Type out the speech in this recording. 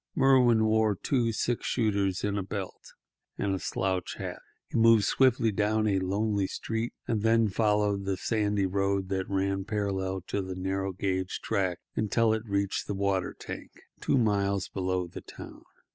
Merwin wore two six shooters in a belt, and a slouch hat. He moved swiftly down a lonely street, and then followed the sandy road that ran parallel to the narrow gauge track until he reached the water tank, two miles below the town.